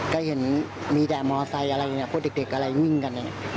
ก็เห็นมีแต่มอเตอร์ไซค์อะไรพวกเด็กอะไรนิ่งกัน